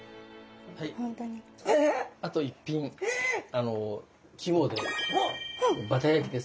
あの肝でバター焼きです。